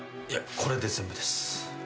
いやこれで全部です。